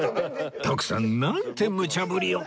徳さんなんてむちゃ振りを！